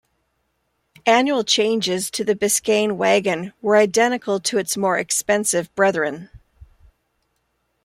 Annual changes to the Biscayne wagon were identical to its more expensive bretheren.